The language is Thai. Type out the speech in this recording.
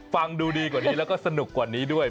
ฟังดูดีกว่านี้แล้วก็สนุกกว่านี้ด้วย